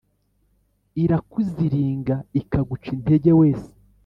Irakuziringa ikaguca integer wese